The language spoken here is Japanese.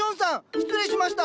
失礼しました。